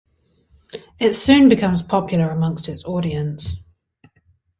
It soon became popular amongst its audience.